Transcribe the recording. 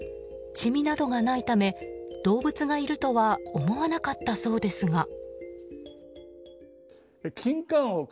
染みなどがないため動物がいるとは思わなかったそうですが。